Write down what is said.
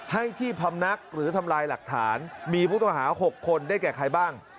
ให้ที่พำนักหรือทำลายหลักฐานมีผู้ต้องหา๖คนได้แก่ใครบ้าง